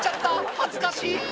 恥ずかしい。